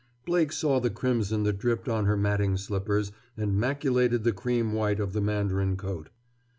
Blake saw the crimson that dripped on her matting slippers and maculated the cream white of the mandarin coat.